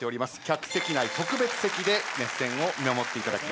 客席内特別席で熱戦を見守っていただきます。